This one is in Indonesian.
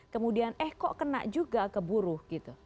kemudian eh kok kena juga ke buruh gitu